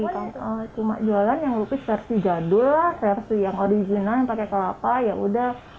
cuma jualan yang lupis versi jadul versi yang original yang pakai kelapa yaudah